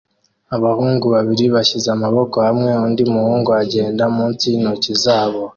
Abahungu babiri bashyize amaboko hamwe undi muhungu agenda munsi yintoki zabo